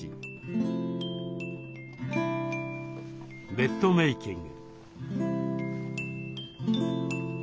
ベッドメーキング。